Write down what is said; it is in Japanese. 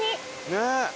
ねえ。